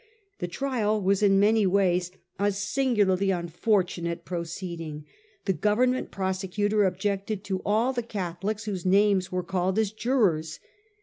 The trial was in many ways a sing ularly 1843. THE TKIAL OF O'CONNELL. 295 unfortunate proceeding. Tlie Government prosecutor objected to all tbe Catholics whose names were called as jurors.